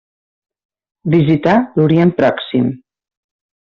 Visità l'Orient Pròxim.